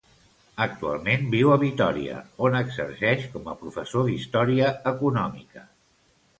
Actualment viu a Vitòria, on exerceix com a professor d'història econòmica.